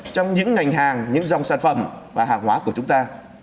trong những ngành hàng những dòng sản phẩm và hàng hóa của chúng ta